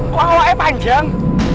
kok awalnya panjang